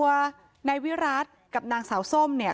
ตัวนายวิรัติกับนางสาวส้มเนี่ย